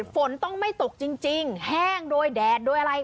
ฝนต้องไม่ตกจริงแห้งโดยแดดโดยอะไร